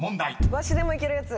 わしでもいけるやつ。